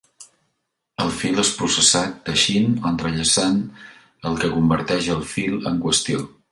El fil és processat teixint o entrellaçat, el que converteix el fil en qüestió.